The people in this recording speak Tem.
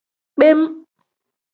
Kpem.